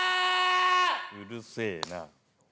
うるせえな。